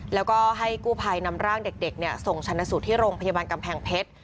แล้วก็ให้กู้ภัยนำร่างเด็กส่งชนะสูตรที่โรงพยาบาลกำแพงเพชร